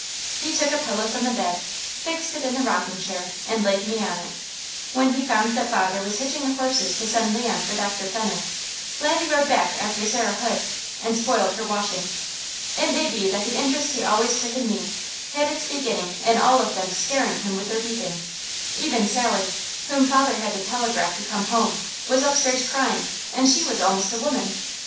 He took a pillow from the bed, fixed it in the rocking chair and laid me on it. When he found that father was hitching the horses to send Leon for Doctor Fenner, Laddie rode back after Sarah Hood and spoiled her washing. It may be that the interest he always took in me had its beginning in all of them scaring him with their weeping; even Sally, whom father had to telegraph to come home, was upstairs crying, and she was almost a woman.